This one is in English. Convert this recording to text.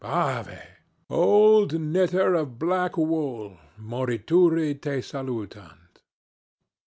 Ave! Old knitter of black wool. Morituri te salutant.